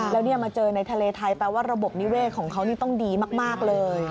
แล้วมาเจอในทะเลไทยแปลว่าระบบนิเวศของเขานี่ต้องดีมากเลย